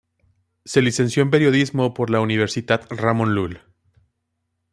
Se licenció en periodismo por la Universitat Ramon Llull.